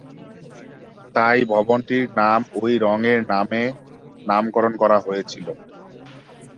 তাই ভবনটির নাম ঐ রংয়ের নামে নামকরণ করা হয়েছিল।